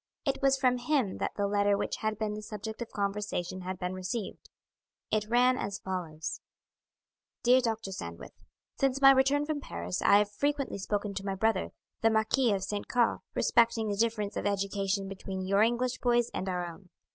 It was from him that the letter which had been the subject of conversation had been received. It ran as follows: "Dear Doctor Sandwith, Since my return from Paris I have frequently spoken to my brother, the Marquis of St. Caux, respecting the difference of education between your English boys and our own.